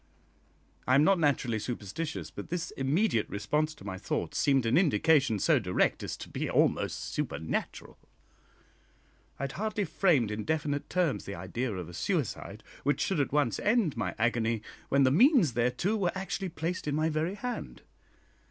I am not naturally superstitious, but this immediate response to my thoughts seemed an indication so direct as to be almost supernatural. I had hardly framed in definite terms the idea of a suicide which should at once end my agony, when the means thereto were actually placed in my very hand.